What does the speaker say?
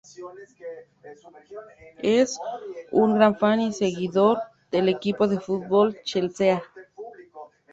Es un gran fan y seguidor del equipo de fútbol Chelsea.